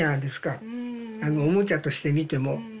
あのおもちゃとして見ても。